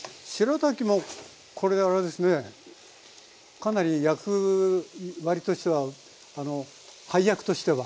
かなり役割としては配役としては。